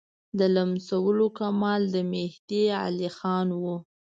د لمسولو کمال د مهدي علیخان وو.